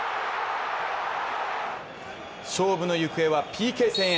勝負の行方はＰＫ戦へ。